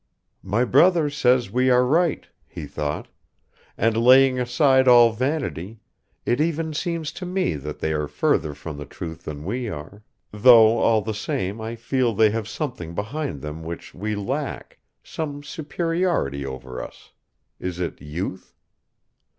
"My brother says we are right," he thought, "and laying aside all vanity, it even seems to me that they are further from the truth than we are, though all the same I feel they have something behind them which we lack, some superiority over us ... is it youth?